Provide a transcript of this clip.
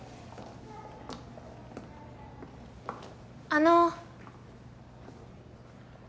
あの。